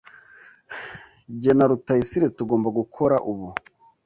Jye na Rutayisire tugomba gukora ubu.